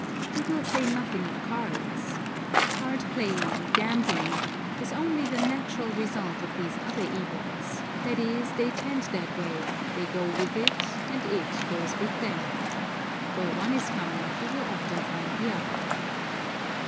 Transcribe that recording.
We will say nothing of cards. Card playing, gambling, is only the natural result of these other evils, that is, they tend that way, they go with it and it goes with them. Where one is found you will often find the other.